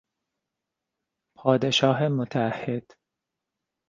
پادشاه متعهد